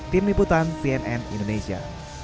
tim liputan cnn indonesia